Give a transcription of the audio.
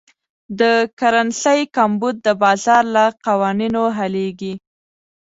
د کرنسۍ کمبود د بازار له قوانینو حلېږي.